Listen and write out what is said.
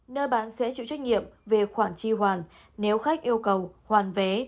nơi bán sẽ chịu trách nhiệm về khoản chi hoàn nếu khách yêu cầu hoàn vé